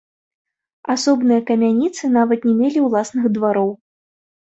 Асобныя камяніцы нават не мелі ўласных двароў.